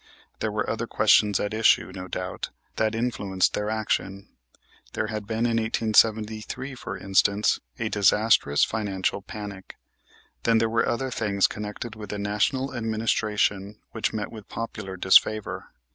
There were other questions at issue, no doubt, that influenced their action. There had been in 1873, for instance, a disastrous financial panic. Then there were other things connected with the National Administration which met with popular disfavor.